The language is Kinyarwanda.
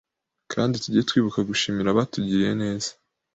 kandi tujye twibuka gushimira abatugirira neza